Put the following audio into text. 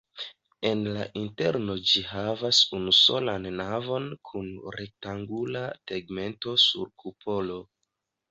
En la interno ĝi havas unusolan navon kun rektangula tegmento sur kupolo.